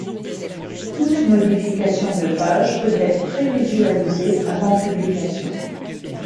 Toute modification de page peut être prévisualisée avant publication.